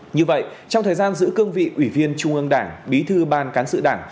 như vậy trong thời gian giữ cương vị ủy viên trung ương đảng bí thư ban cán sự đảng